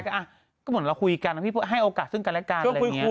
ก็เหมือนเราคุยกันให้โอกาสซึงกันและกัน